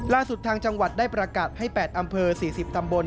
ทางจังหวัดได้ประกาศให้๘อำเภอ๔๐ตำบล